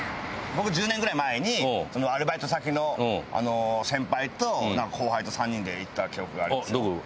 僕１０年ぐらい前にアルバイト先の先輩と後輩と３人で行った記憶がありますよ。